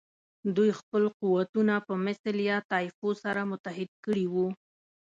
دوی خپل قوتونه په مثل یا طایفو سره متحد کړي وو.